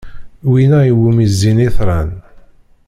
Wina iwumi zzin itran.